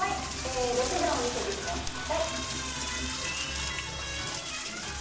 ６番を見せてください。